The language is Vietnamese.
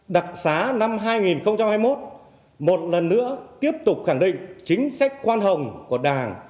đặc xá năm hai nghìn hai mươi một một lần nữa tiếp tục khẳng định chính sách khoan hồng của đảng